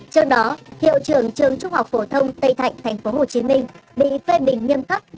trong đó hiệu trưởng trường trung học phổ thông tây thạnh tp hcm bị phê bình nghiêm cấp